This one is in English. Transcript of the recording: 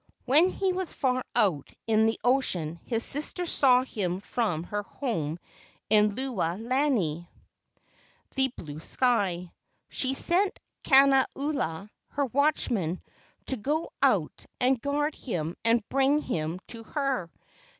When he was far out in the ocean his sister saw him from her home in Lewa lani (the blue sky). She sent Kana ula, her watchman, to go out and guard him and bring him to her.